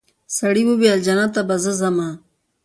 سړي وویل جنت ته به زه ځمه